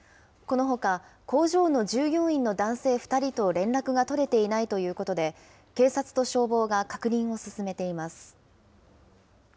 このほか、工場の従業員の男性２人と連絡が取れていないということで、警察と消防が確認を進めています。